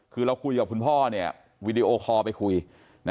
คือเราคุยกับคุณพ่อเนี่ยวิดีโอคอล์ไปคุยนะครับ